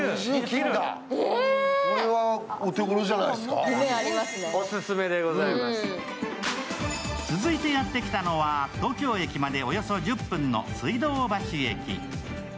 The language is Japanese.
小林さんがニア！続いてやってきたのは、東京駅までおよそ１０分の水道橋駅。